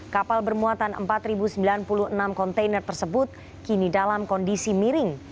kapal bermuatan empat sembilan puluh enam kontainer tersebut kini dalam kondisi miring